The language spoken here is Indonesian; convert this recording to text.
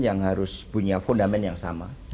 yang harus punya fundament yang sama